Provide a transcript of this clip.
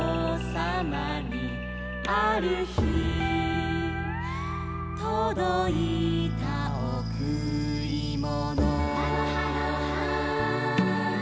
「あるひとどいたおくりもの」「」